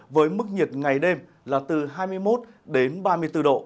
với mức nhiệt ngày đêm là từ hai mươi một ba mươi bốn độ